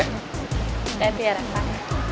kita tiada rakat